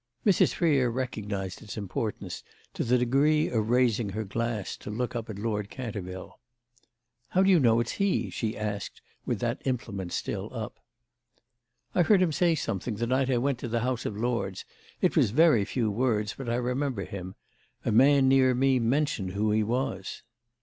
Mrs. Freer recognised its importance to the degree of raising her glass to look at Lord Canterville. "How do you know it's he?" she asked with that implement still up. "I heard him say something the night I went to the House of Lords. It was very few words, but I remember him. A man near me mentioned who he was."